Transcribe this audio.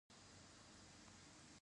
دا راپور باید اړونده څانګو ته وسپارل شي.